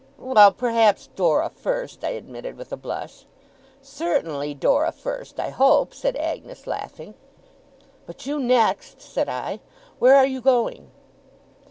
'Well! perhaps Dora first,' I admitted, with a blush. 'Certainly, Dora first, I hope,' said Agnes, laughing. 'But you next!' said I. 'Where are you going?